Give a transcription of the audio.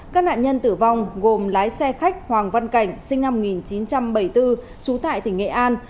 các nạn nhân tử vong gồm lái xe khách hoàng văn cảnh sinh năm một nghìn chín trăm bảy mươi bốn trú tại tỉnh nghệ an